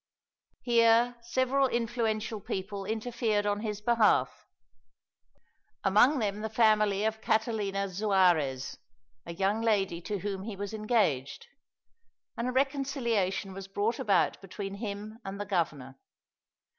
Here several influential people interfered on his behalf among them the family of Catalina Xuares, a young lady to whom he was engaged and a reconciliation was brought about between him and the governor.